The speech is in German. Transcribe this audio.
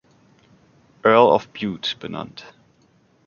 Earl of Bute benannt.